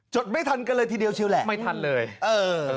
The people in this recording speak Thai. ไม่ทันกันเลยทีเดียวเชียวแหละไม่ทันเลยเออ